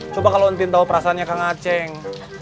coba kalo ntin tau perasaannya kak ngaceng